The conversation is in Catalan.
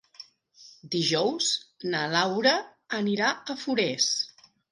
Dijous na Laura anirà a Forès.